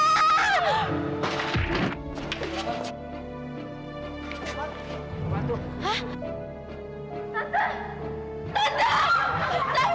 kamu adalah dari geme branding